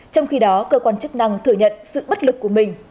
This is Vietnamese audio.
trong khi đó cơ quan chức năng thừa nhận sự bất lực của mình